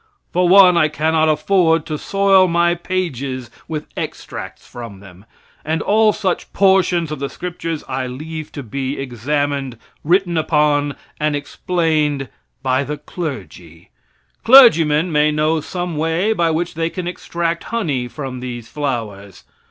For one, I cannot afford to soil my pages with extracts from them; and all such portions of the scriptures I leave to be examined, written upon, and explained by the clergy. Clergymen may know some way by which they can extract honey from these flowers.